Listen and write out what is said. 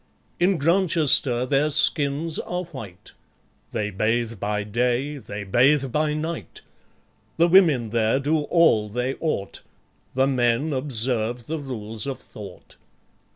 In Grantchester their skins are white; They bathe by day, they bathe by night; The women there do all they ought; The men observe the Rules of Thought.